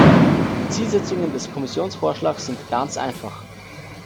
Die Zielsetzungen des Kommissionsvorschlags sind ganz einfach.